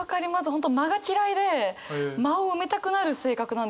本当間が嫌いで間を埋めたくなる性格なんですよね。